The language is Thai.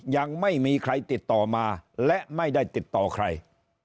ยังไม่มีใครติดต่อมาและไม่ได้ติดต่อใคร